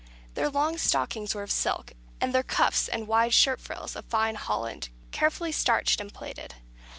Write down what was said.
Their long stockings were of silk, and their cuffs and wide shirt frills of fine Holland, carefully starched and plaited.